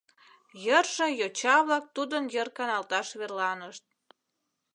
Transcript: Йырже йоча-влак тудын йыр каналташ верланышт.